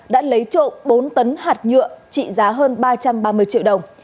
đã lấy trộm bốn tấn hạt nhựa trị giá hơn ba trăm ba mươi triệu đồng